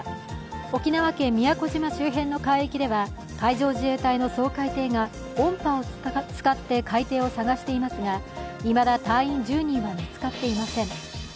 沖縄県、宮古島周辺の海域では海上自衛隊の掃海艇が音波を使って海底を捜していますがいまだ隊員１０人は見つかっていません。